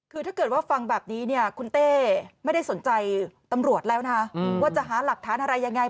คือถ้าเกิดว่าฟังแบบนี้เนี่ยคุณเต้ไม่ได้สนใจตำรวจแล้วนะว่าจะหาหลักฐานอะไรยังไง